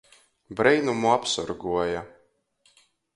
Breinumu apsorguoja.